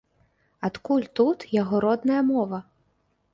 Адкуль тут яго родная мова?